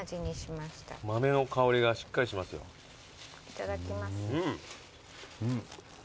いただきます。